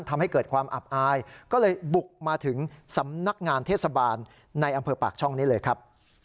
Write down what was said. ทำให้เกิดความอับอายก็เลยบุกมาถึงสำนักงานเทศบาลในอำเภอปากช่องนี้เลยครับ